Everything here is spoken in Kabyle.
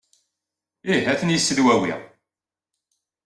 Ih, a ten-yessedwawi!